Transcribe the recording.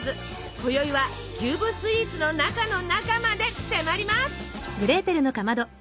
こよいはキューブスイーツの中の中まで迫ります。